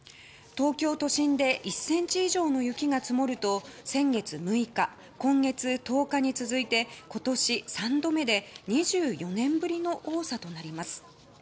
東京都心で１ｃｍ以上の雪が積もると先月６日、今月１０日に続いて今年３度目で２４年ぶりの多さとなります。